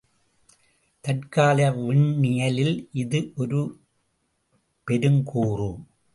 தற்கால விண்ணியலில் இது ஒரு பெருங்கூறு.